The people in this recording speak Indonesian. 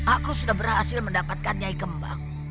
aku sudah berhasil mendapatkan nyai kembang